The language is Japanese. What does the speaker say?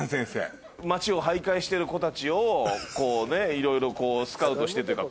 街を徘徊してる子たちをこうねいろいろスカウトしてっていうか